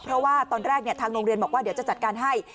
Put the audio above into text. เพราะว่าตอนแรกทางโรงเรียนบอกว่าเดี๋ยวจะจัดการให้